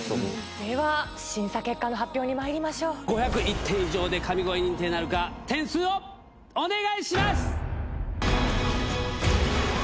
では、審査結果の発表にまい５０１点以上で神声認定なるか、点数をお願いします！